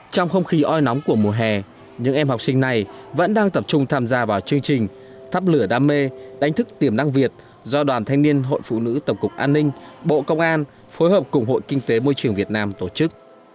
trong không khí oi nóng của mùa hè những em học sinh này vẫn đang tập trung tham gia vào chương trình thắp lửa đam mê đánh thức tiềm năng việt do đoàn thanh niên hội phụ nữ tổng cục an ninh bộ công an phối hợp cùng hội kinh tế môi trường việt nam tổ chức